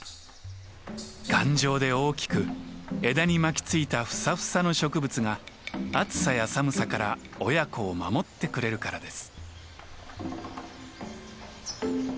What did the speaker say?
頑丈で大きく枝に巻きついたフサフサの植物が暑さや寒さから親子を守ってくれるからです。